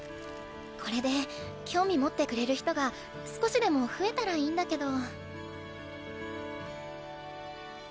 これで興味持ってくれる人が少しでも増えたらいいんだけど。